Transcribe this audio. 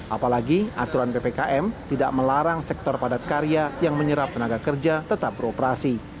apalagi aturan ppkm tidak melarang sektor padat karya yang menyerap tenaga kerja tetap beroperasi